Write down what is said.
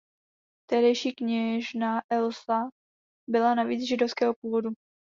Tehdejší kněžna Elsa byla navíc židovského původu.